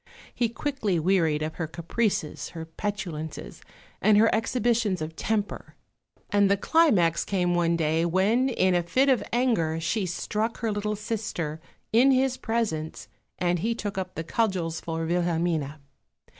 He quickly wearied of her caprices, her petulances, and her exhibitions of temper; and the climax came one day when in a fit of anger she struck her little sister, in his presence, and he took up the cudgels for Wilhelmine.